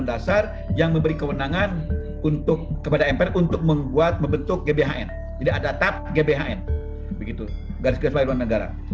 garis garis pemerintah negara